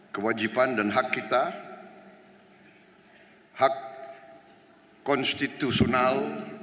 kewajiban dan hak kita hak konstitusional